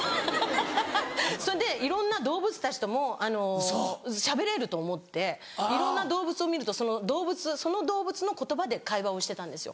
それでいろんな動物たちともしゃべれると思っていろんな動物を見るとその動物の言葉で会話をしてたんですよ